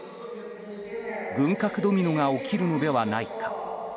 軍拡ドミノが起きるのではないか。